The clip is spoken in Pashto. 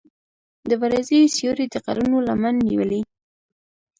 د وریځو سیوری د غرونو لمن نیولې.